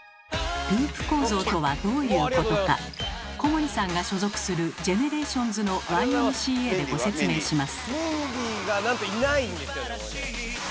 ループ構造とはどういうことか小森さんが所属するＧＥＮＥＲＡＴＩＯＮＳの「Ｙ．Ｍ．Ｃ．Ａ．」でご説明します。